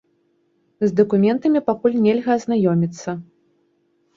З дакументам пакуль нельга азнаёміцца.